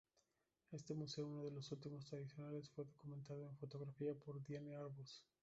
Este museo, uno de los últimos tradicionales, fue documentado en fotografía por Diane Arbus.